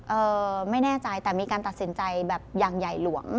ไม่แน่ใจแต่มีการตัดสินใจแบบอย่างใหญ่หลวง